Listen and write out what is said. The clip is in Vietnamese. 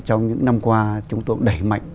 trong những năm qua chúng tôi cũng đẩy mạnh